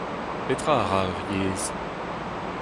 Petra a ra ur yezh ?